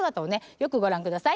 よくご覧ください。